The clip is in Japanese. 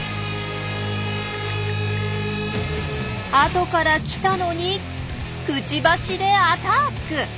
後から来たのにくちばしでアタック！